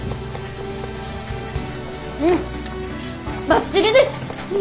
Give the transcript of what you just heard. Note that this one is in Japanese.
うんばっちりです！